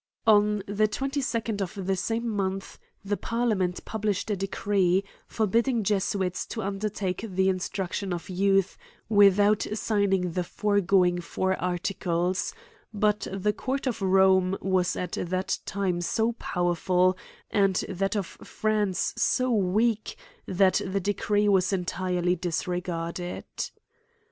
214 A COMMENTARY ON On the 22d. of the same month, the parliament published a decree, forbidding Jesuits to under take the instruction of youth without signing the foregoing four articles : but the court of Rome was at that time so powerful, and that of France so weak, that the decree was entirely disregarded.